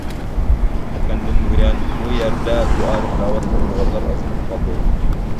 يېقىندىن بۇيان بۇ يەردە دۇئا-تىلاۋەت قىلىدىغانلار ئازىيىپ قالدى.